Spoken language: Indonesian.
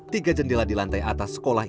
tiga jendela di lantai atas sekolah